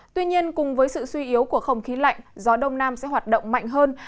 tuy nhiên cùng với sự suy yếu của không khí lạnh gió đông nam sẽ hoạt động mạnh hơn